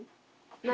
何？